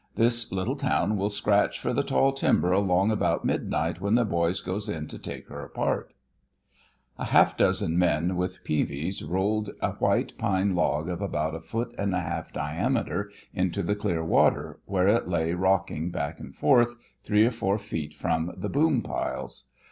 This little town will scratch fer th' tall timber along about midnight when the boys goes in to take her apart." A half dozen men with peavies rolled a white pine log of about a foot and a half diameter into the clear water, where it lay rocking back and forth, three or four feet from the boom piles.